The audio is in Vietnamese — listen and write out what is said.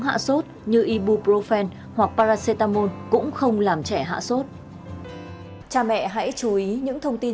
hạ sốt như ibu profen hoặc paracetamol cũng không làm trẻ hạ sốt cha mẹ hãy chú ý những thông tin